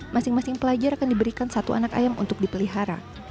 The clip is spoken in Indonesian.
masing masing pelajar akan diberikan satu anak ayam untuk dipelihara